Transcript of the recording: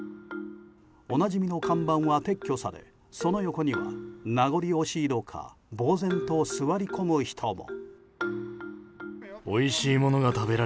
おなじみの看板は撤去されその横には名残惜しいのか呆然と座り込む人も。